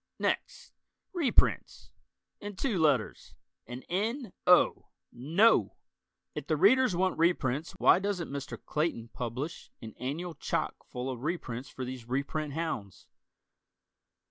Next, reprints: In two letters, an N O No! If the Readers want reprints why doesn't Mr. Clayton publish an annual chock full of reprints for these reprint hounds?